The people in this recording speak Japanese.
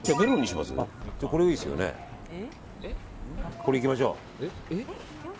これ、行きましょう！